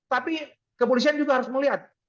tapi kepolisian juga harus melihat